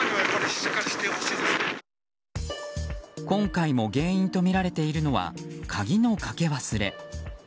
今回も原因とみられているのは鍵のかけ忘れ。